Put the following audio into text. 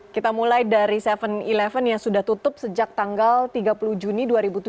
kita mulai dari tujuh sebelas yang sudah tutup sejak tanggal tiga puluh juni dua ribu tujuh belas